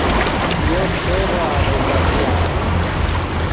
یو پیشئیغوآ دے تے خیال